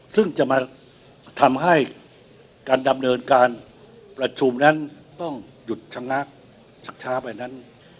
ซึ่งจะมาทำให้การดำเนินการประชุมนั้นต้องหยุดชะงักช้าไปนั้น